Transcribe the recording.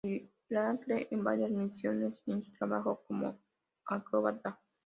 Miracle en varias misiones y en su trabajo como acróbata.